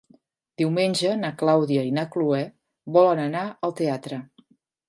Diumenge na Clàudia i na Cloè volen anar al teatre.